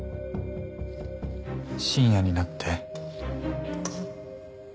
深夜になって。